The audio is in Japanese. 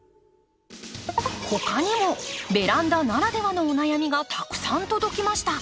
他にもベランダならではのお悩みがたくさん届きました。